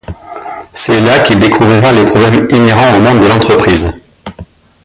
C’est là qu’il découvrira les problèmes inhérents au monde de l’entreprise.